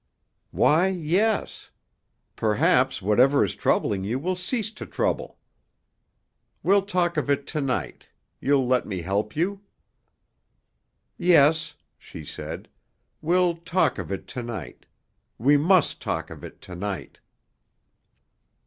"Why, yes. Perhaps whatever is troubling you will cease to trouble. We'll talk of it to night? You'll let me help you?" "Yes," she said, "we'll talk of it to night. We must talk of it to night."